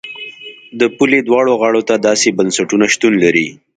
د پولې دواړو غاړو ته داسې بنسټونه شتون لري.